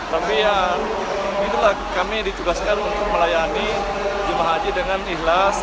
tapi ya itulah kami ditugaskan untuk melayani jemaah haji dengan ikhlas